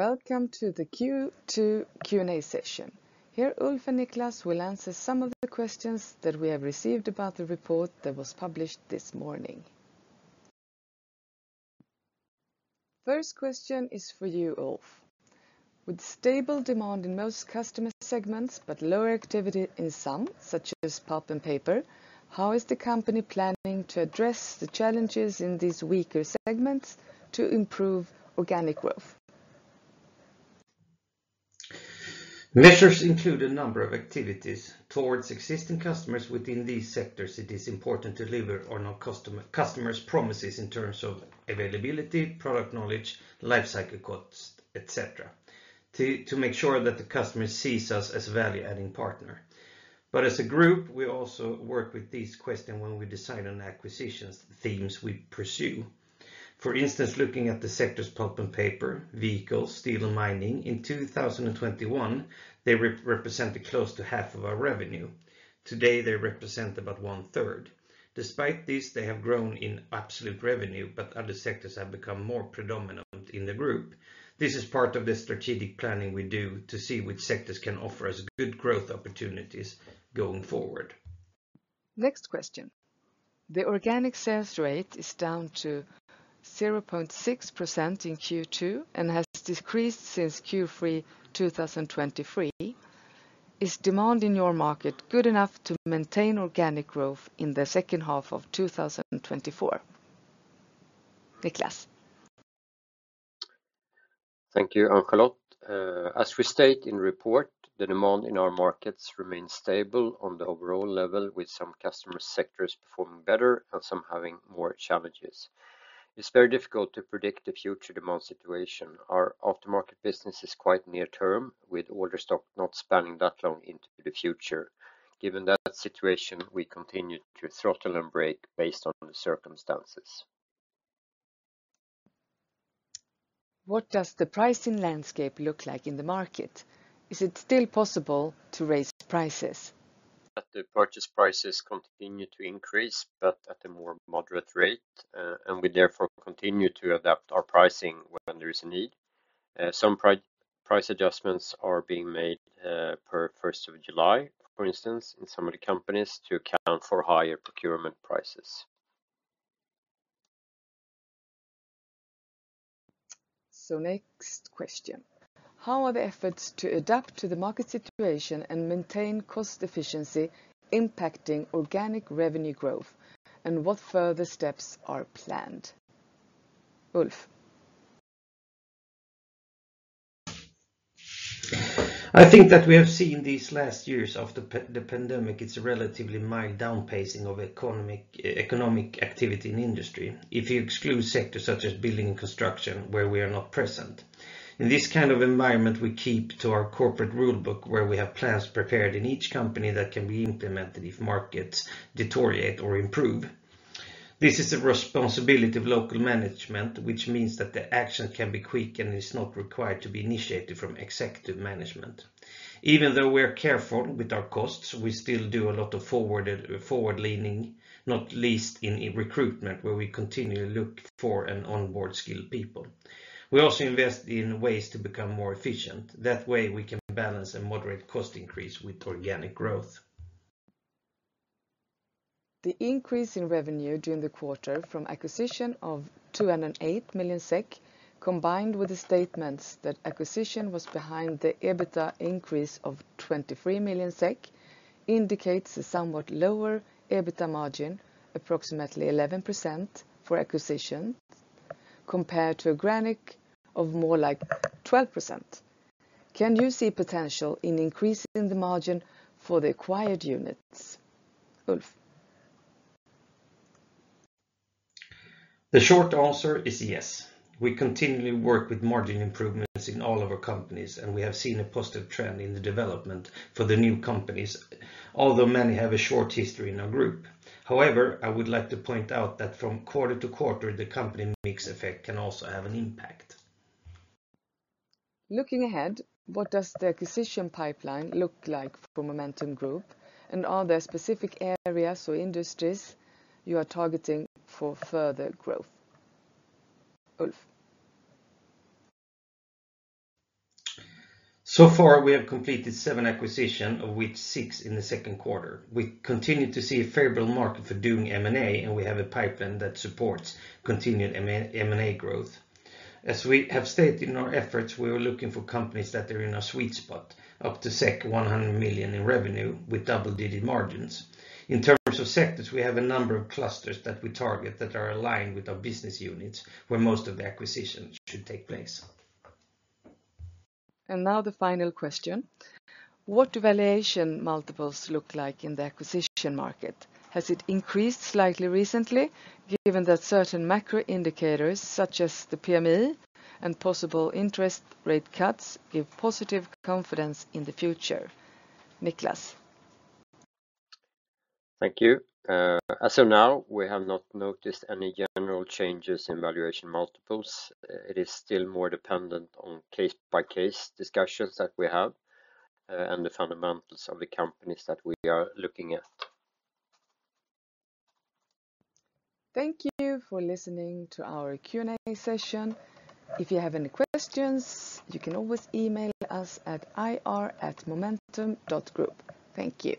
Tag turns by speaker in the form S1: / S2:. S1: Welcome to the Q2 Q&A session. Here, Ulf and Niklas will answer some of the questions that we have received about the report that was published this morning. First question is for you, Ulf. With stable demand in most customer segments, but lower activity in some, such as pulp and paper, how is the company planning to address the challenges in these weaker segments to improve organic growth?
S2: Measures include a number of activities towards existing customers within these sectors. It is important to deliver on our customers' promises in terms of availability, product knowledge, life cycle costs, et cetera, to make sure that the customer sees us as a value-adding partner. As a group, we also work with this question when we decide on the acquisitions themes we pursue. For instance, looking at the sectors pulp and paper, vehicles, steel and mining in 2021, they represented close to half of our revenue. Today, they represent about one third. Despite this, they have grown in absolute revenue, but other sectors have become more predominant in the group. This is part of the strategic planning we do to see which sectors can offer us good growth opportunities going forward.
S1: Next question. The organic sales rate is down to 0.6% in Q2 and has decreased since Q3 2023. Is demand in your market good enough to maintain organic growth in the second half of 2024? Niklas.
S3: Thank you, Angelot. As we state in the report, the demand in our markets remains stable on the overall level, with some customer sectors performing better and some having more challenges. It's very difficult to predict the future demand situation. Our aftermarket business is quite near term, with order stock not spanning that long into the future. Given that situation, we continue to throttle and brake based on the circumstances.
S1: What does the pricing landscape look like in the market? Is it still possible to raise prices?
S3: That the purchase prices continue to increase, but at a more moderate rate, and we therefore continue to adapt our pricing when there is a need. Some price adjustments are being made per 1st of July, for instance, in some of the companies to account for higher procurement prices.
S1: Next question. How are the efforts to adapt to the market situation and maintain cost efficiency impacting organic revenue growth? What further steps are planned? Ulf.
S2: I think that we have seen these last years after the pandemic, it's a relatively mild down pacing of economic activity in industry. If you exclude sectors such as building and construction, where we are not present. In this kind of environment, we keep to our corporate rule book, where we have plans prepared in each company that can be implemented if markets deteriorate or improve. This is a responsibility of local management, which means that the action can be quick and is not required to be initiated from executive management. Even though we are careful with our costs, we still do a lot of forward-leaning, not least in recruitment, where we continually look for and onboard skilled people. We also invest in ways to become more efficient. That way, we can balance a moderate cost increase with organic growth.
S1: The increase in revenue during the quarter from acquisition of 208 million SEK, combined with the statements that acquisition was behind the EBITA increase of 23 million SEK, indicates a somewhat lower EBITA margin, approximately 11% for acquisition, compared to an organic of more like 12%. Can you see potential in increasing the margin for the acquired units? Ulf.
S2: The short answer is yes. We continually work with margin improvements in all of our companies. We have seen a positive trend in the development for the new companies, although many have a short history in our group. However, I would like to point out that from quarter to quarter, the company mix effect can also have an impact.
S1: Looking ahead, what does the acquisition pipeline look like for Momentum Group? Are there specific areas or industries you are targeting for further growth? Ulf.
S2: Far, we have completed seven acquisitions, of which six in the second quarter. We continue to see a favorable market for doing M&A. We have a pipeline that supports continued M&A growth. As we have stated in our efforts, we are looking for companies that are in our sweet spot, up to 100 million in revenue with double-digit margins. In terms of sectors, we have a number of clusters that we target that are aligned with our business units where most of the acquisitions should take place.
S1: Now the final question. What do valuation multiples look like in the acquisition market? Has it increased slightly recently, given that certain macro indicators, such as the PMI and possible interest rate cuts, give positive confidence in the future? Niklas.
S3: Thank you. As of now, we have not noticed any general changes in valuation multiples. It is still more dependent on case-by-case discussions that we have and the fundamentals of the companies that we are looking at.
S1: Thank you for listening to our Q&A session. If you have any questions, you can always email us at ann-charlotte.svensson@momentum.group. Thank you.